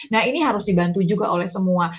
nah ini harus dibantu juga oleh semua